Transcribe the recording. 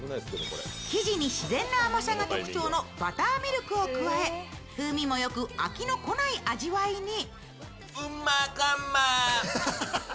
生地に自然な甘さが特徴のバターミルクを加え、風味もよく、飽きのこない味わいに。